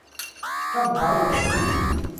ย่ำเท้าอยู่กับที่